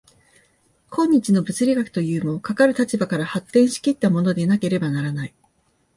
今日の物理学というも、かかる立場から発展し来ったものでなければならない。